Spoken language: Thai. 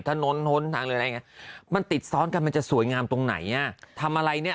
ถนนทนทางอะไรแบบนี้มันติดซ้อนกันมันจะสวยงามตรงไหนน่ะทำอะไรเนี้ย